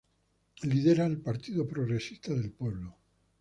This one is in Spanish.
Lidera el Partido Progresista del Pueblo.